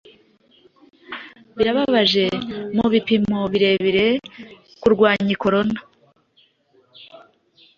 Birababaje mubipimobirebire kurwanykorona